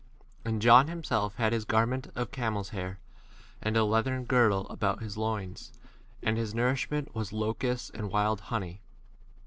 And John himself had his garment of camel's hair, and a leathern girdle about his loins, and his nourishment was locusts and wild honey.